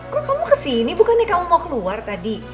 kok kamu kesini bukan nih kamu mau keluar tadi